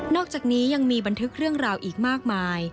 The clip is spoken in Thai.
อกจากนี้ยังมีบันทึกเรื่องราวอีกมากมาย